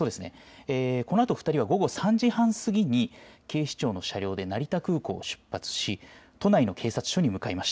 このあと２人は午後３時半過ぎに警視庁の車両で成田空港を出発し都内の警察署に向かいました。